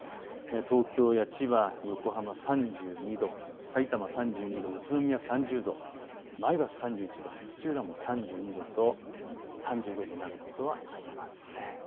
東京や千葉、横浜、３２度、さいたま３２度、宇都宮３０度、前橋３１度、土浦も３２度と３５度になることはありません。